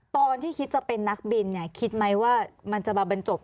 ตอนที่คิดจะเป็นนักบินเนี่ยคิดไหมว่ามันจะมาบรรจบ